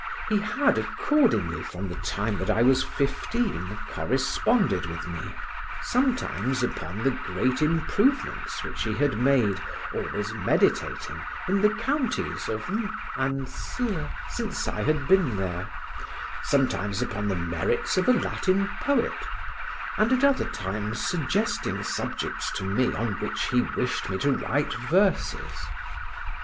He had accordingly, from the time that I was fifteen, corresponded with me; sometimes upon the great improvements which he had made or was meditating in the counties of M—— and Sl—— since I had been there, sometimes upon the merits of a Latin poet, and at other times suggesting subjects to me on which he wished me to write verses.